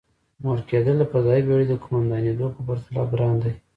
مور کېدل د فضايي بېړۍ د قوماندانېدو پرتله ګران دی.